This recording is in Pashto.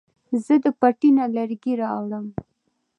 زه د پټي نه لرګي راوړم